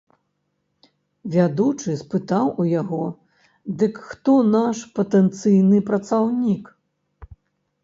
Вядучы спытаў у яго, дык хто наш патэнцыйны праціўнік?